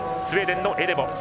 スウェーデンのエデボ。